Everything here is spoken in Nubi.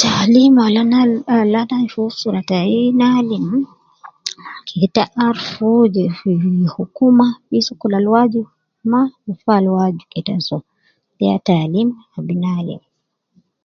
Taalim al ana a al ana aju usra tayi nalim keta arfu jefi hukuma fi sokol al waju mma fi al waaji keta so mma de ya taalim al naalim.